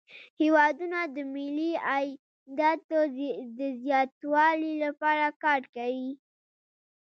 هیوادونه د ملي عایداتو د زیاتوالي لپاره کار کوي